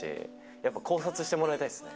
やっぱ考察してもらいたいですね。